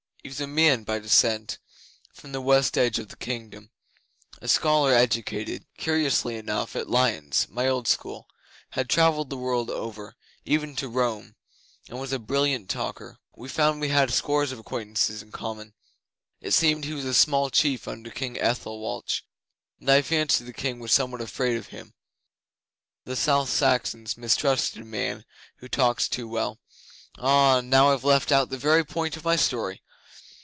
He was a Meon by descent, from the west edge of the kingdom; a scholar educated, curiously enough, at Lyons, my old school; had travelled the world over, even to Rome, and was a brilliant talker. We found we had scores of acquaintances in common. It seemed he was a small chief under King Ethelwalch, and I fancy the King was somewhat afraid of him. The South Saxons mistrust a man who talks too well. Ah! Now, I've left out the very point of my story.